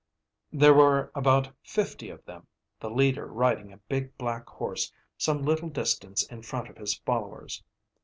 There were about fifty of them, the leader riding a big, black horse some little distance in front of his followers.